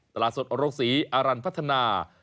ตลาดสดโรงสีอารรรณพัฒนา